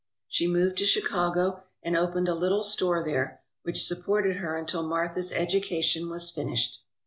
She moved to Chicago and opened a little store there, which supported her until Martha's education was finished.